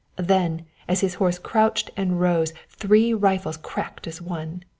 Then, as his horse crouched and rose, three rifles cracked as one.